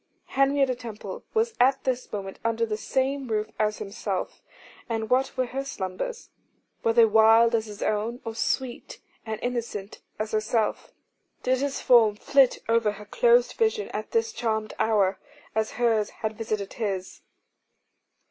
Henrietta Temple was at this moment under the same roof as himself: and what were her slumbers? Were they wild as his own, or sweet and innocent as herself? Did his form flit over her closed vision at this charmed hour, as hers had visited his?